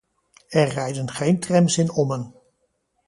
Er rijden geen trams in Ommen.